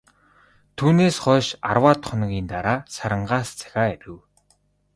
Түүнээс хойш арваад хоногийн дараа, Сарангаас захиа ирэв.